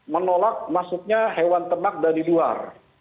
menolak maksudnya hewan peternak dari luar